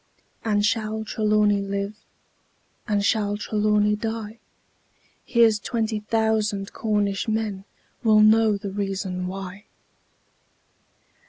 And shall Trelawny live? Or shall Trelawny die? Here's twenty thousand Cornish men Will know the reason why!